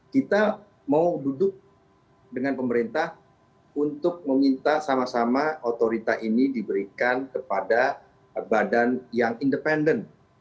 kita mau duduk dengan pemerintah untuk meminta sama sama otorita ini diberikan kepada badan yang independen